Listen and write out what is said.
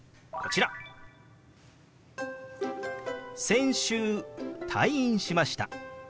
「先週退院しました」。